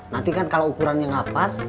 nanti kan kalau ukurannya nggak pas